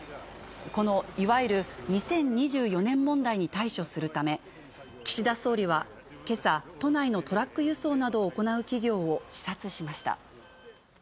このいわゆる２０２４年問題に対処するため、岸田総理はけさ、都内のトラック輸送などを行う企業を視察しました。